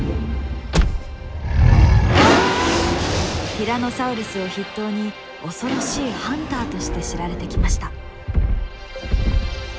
ティラノサウルスを筆頭に恐ろしいハンターとして知られてきました。